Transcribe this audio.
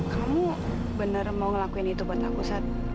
kamu bener mau ngelakuin itu buat aku